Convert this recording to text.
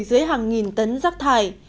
vùi dưới hàng nghìn tấn rắc thải